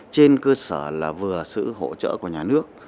trên cơ sở là vừa sự hỗ trợ của nhà nước